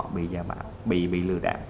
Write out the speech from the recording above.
bị giả mạng bị lừa đảo